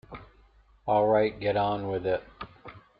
All right, get on with it.